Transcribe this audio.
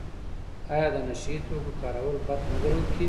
آیا د نشه یي توکو کارول بد نه ګڼل کیږي؟